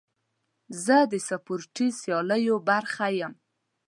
زه د سپورتي سیالیو برخه یم.